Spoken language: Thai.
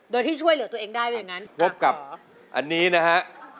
โดยที่ช่วยเหลือตัวเองได้ว่าอย่างนั้นพบกับอันนี้นะฮะ